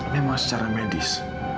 memang secara medis